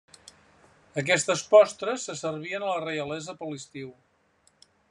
Aquestes postres se servien a la reialesa per l'estiu.